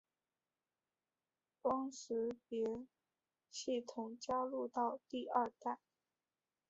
光学识别系统加入到第二代。